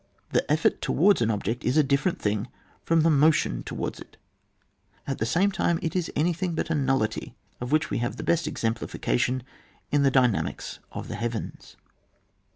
The effort towards an object is a different thing from the mo tion towards it. At the same time it is anything but a nullity, of which we have the best exemplification in the dynamics of the heavens.